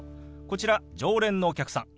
こちら常連のお客さん。